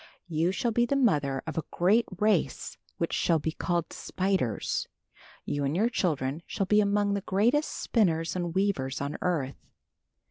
"You shall be the mother of a great race which shall be called spiders. "You and your children shall be among the greatest spinners and weavers on earth."